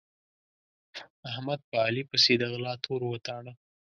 احمد په علي پسې د غلا تور وتاړه.